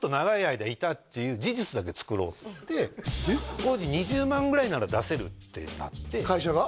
とりあえず当時２０万ぐらいなら出せるってなって会社が？